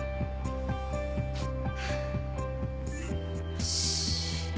よし。